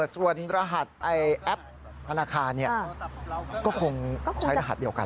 ส่วนรหัสแอปธนาคารก็คงใช้รหัสเดียวกัน